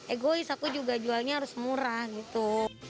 egois aku juga jualnya harus murah gitu